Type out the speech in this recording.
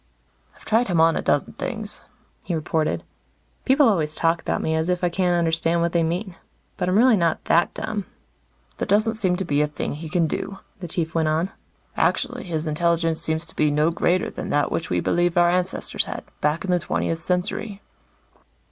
"I've tried him on a dozen things," he reported. People always talk about me as if I can't understand what they mean. But I'm really not that dumb. "There doesn't seem to be a thing he can do," the Chief went on. "Actually, his intelligence seems to be no greater than that which we believe our ancestors had, back in the twentieth century."